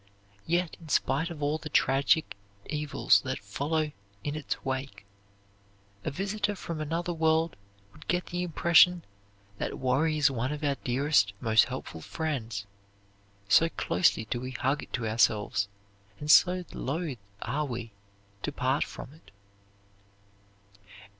Yet, in spite of all the tragic evils that follow in its wake, a visitor from another world would get the impression that worry is one of our dearest, most helpful friends, so closely do we hug it to ourselves and so loath are we to part from it.